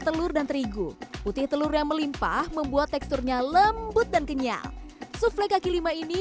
telur dan terigu putih telur yang melimpah membuat teksturnya lembut dan kenyal souffle kaki lima ini